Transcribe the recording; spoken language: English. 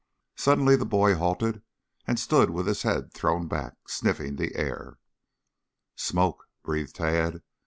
Suddenly the boy halted and stood with head thrown back sniffing the air. "Smoke!" breathed Tad.